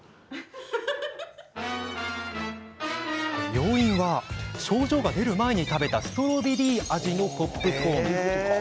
要因は、症状が出る前に食べたストロベリー味のポップコーン。